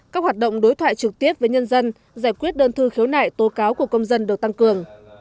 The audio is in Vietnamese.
các hoạt động đối thoại trực tiếp với nhân dân giải quyết đơn thư khiếu nại tố cáo của công dân được tăng cường